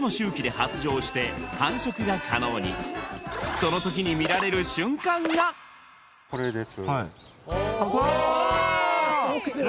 その時に見られる瞬間がこれです